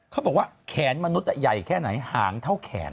เขาบอกว่าแขนมนุษย์ใหญ่แค่ไหนหางเท่าแขน